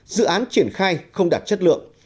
dự án triển khai không đạt chất lượng